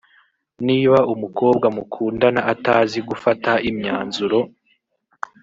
niba umukobwa mukundana atazi gufata imyanzuro